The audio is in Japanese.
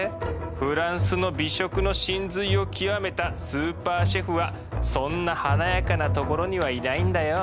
フランスの美食の神髄を極めたスーパーシェフはそんな華やかなところにはいないんだよ！